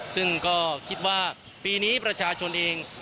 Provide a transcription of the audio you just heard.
ซึ่งก็คิดว่าปีนี้ประชาชนเอง